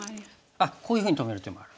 あっこういうふうに止める手もある。